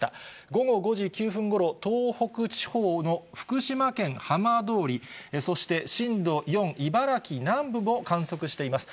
午後５時９分ごろ、東北地方の福島県浜通り、そして震度４、茨城南部も観測しています。